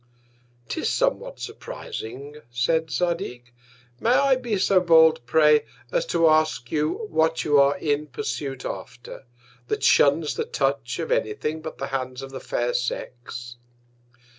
'Tis somewhat surprizing, said Zadig. May I be so bold, pray, as to ask you what you are in Pursuit after, that shuns the Touch of any Thing but the Hands of the Fair Sex.